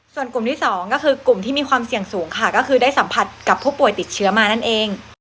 ส่วนกลุ่มที่สองก็คือกลุ่มที่มีความเสี่ยงสูงค่ะก็คือได้สัมผัสกับผู้ป่วยติดเชื้อมานั่นเอง